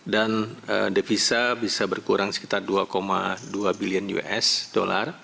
dan devisa bisa berkurang sekitar dua dua bilion usd